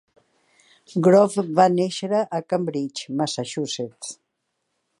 Grove va néixer a Cambridge, Massachusetts.